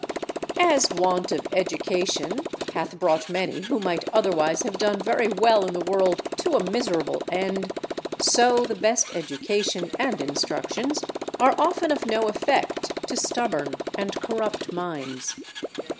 As want of education hath brought many who might otherwise have done very well in the world to a miserable end, so the best education and instructions are often of no effect to stubborn and corrupt minds.